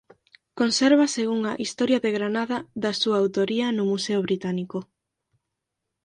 Consérvase unha "Historia de Granada" da súa autoría no Museo Británico.